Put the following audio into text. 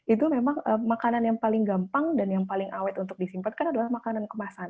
itu memang makanan yang paling gampang dan yang paling awet untuk disimpan kan adalah makanan kemasan